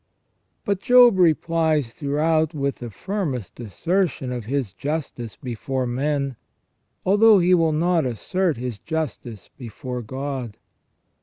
But Job replies throughout with the firmest assertion of his justice before men, although he will not assert his justice before God.